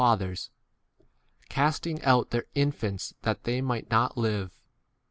fathers, casting out their infants that they might not live.